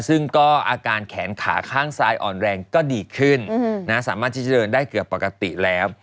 ซึ่งก็อาการแขนขาข้างซ้ายอ่อนแรงก็ดีขึ้นสามารถที่จะเดินได้เกือบปกติแล้ว